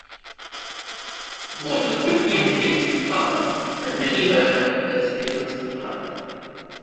Water quickly became scarce and many ran out of their staple supplies.